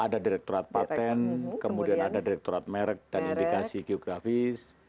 ada direkturat patent kemudian ada direkturat merek dan indikasi geografis